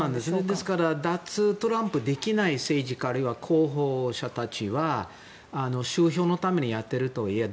ですから脱トランプできない政治家あるいは後方者たちは集票のためにやっているとはいえ